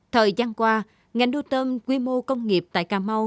thời gian qua ngành nuôi tôm quy mô công nghiệp tại cà mau